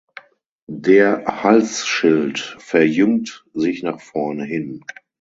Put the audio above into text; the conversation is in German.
Der Halsschild verjüngt sich nach vorne hin.